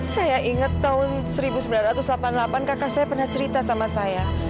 saya ingat tahun seribu sembilan ratus delapan puluh delapan kakak saya pernah cerita sama saya